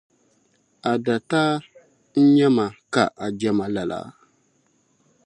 A dataa nye ma k' a je ma lala?